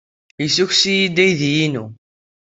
Yessukkes-iyi-d aydi-inu.